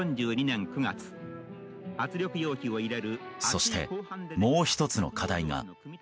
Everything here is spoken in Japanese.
そして、もう１つの課題が。